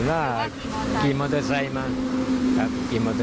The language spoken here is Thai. ว่าขี่มอเตอร์ไซค์มาครับขี่มอเตอร์